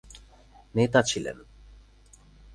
নেতা ছিলেন।